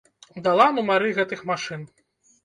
Дала нумары гэтых машын.